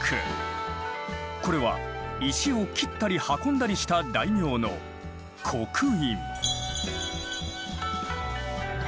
これは石を切ったり運んだりした大名の「刻印」。